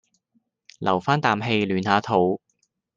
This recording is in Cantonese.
留返啖氣暖下肚